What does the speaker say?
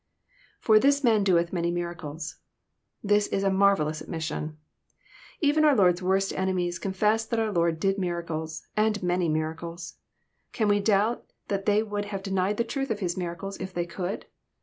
{^For this man doeth many miracles.'] This is a marvellous admission. Even our Lord's worst enemies confess that our Lord did miracles, and many miracles. Can we doubt that they would have denied the truth of His miracles. If they could?